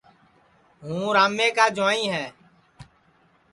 ہوں رامے کا جُوائیں ہے